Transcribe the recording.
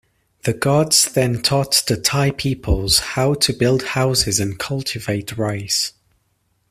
The gods then taught the Tai peoples how to build houses and cultivate rice.